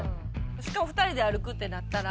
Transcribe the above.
しかも２人で歩くってなったら。